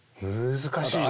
難しいと。